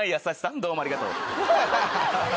どうもありがとう。